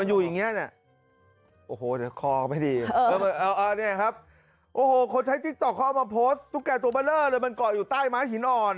หรือใครเอาถุงอะไรไปคุมไป